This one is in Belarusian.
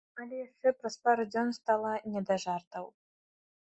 Але яшчэ праз пару дзён стала не да жартаў.